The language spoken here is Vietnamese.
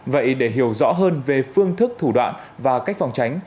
vậy để hiểu rõ hơn về phương thức thủ đoạn và cách phòng tránh